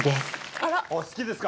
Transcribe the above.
あ好きですか。